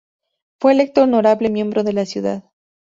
Fue electo honorable miembro de la Ciudad.